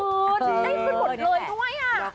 ขึ้นหมดเลยด้วย